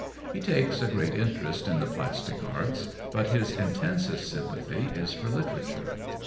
He takes a great interest in the plastic arts, but his intensest sympathy is for literature.